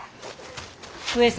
上様！